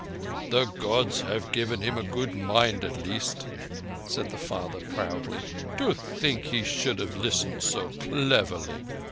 "The Gods have given him a good mind, at least" said the father proudly. "To think he should have listened so cleverly.